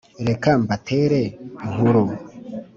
reka mbetere inkuaru